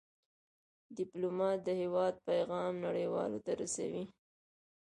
ډيپلومات د هېواد پېغام نړیوالو ته رسوي.